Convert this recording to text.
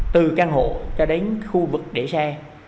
từ căn hộ cho đến khu vực để xe